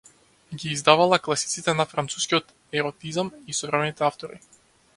Ги издавала класиците на францускиот еротизам и современите автори.